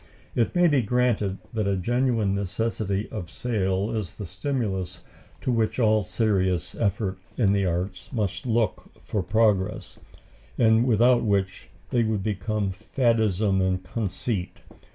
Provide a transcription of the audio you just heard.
It may be granted that a genuine necessity of sale is the stimulus to which all serious effort in the arts must look for progress, and without which they would become faddism and conceit.